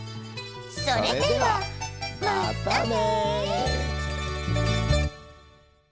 それではまったね。